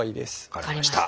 分かりました。